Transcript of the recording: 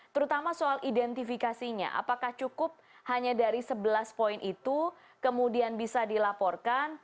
terutama soal identifikasinya apakah cukup hanya dari sebelas poin itu kemudian bisa dilaporkan